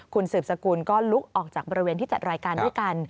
คุณสืบสกุลก็ลุกออกจากบริเวณที่จัดรายการด้วยกัน